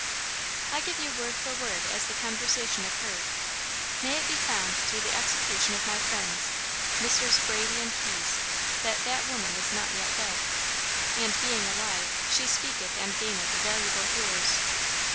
"I give you word for word as the conversation occurred. May it be found through the execution of my friends, Messrs. Brady and Keyes, that 'that woman is not yet dead,' and being alive, she speaketh and gaineth valuable hearers.